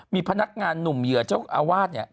มีพนักงานหนุ่มเหยื่อเจ้าอาวาสเนี่ย